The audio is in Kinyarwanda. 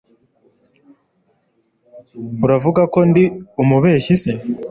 Uravuga ko ndi umubeshyi se?